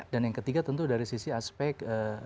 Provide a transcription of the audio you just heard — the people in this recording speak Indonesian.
dan yang ketiga tentu dari sisi aspek